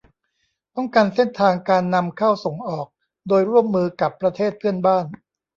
ป้องกันเส้นทางการนำเข้าส่งออกโดยร่วมมือกับประเทศเพื่อนบ้าน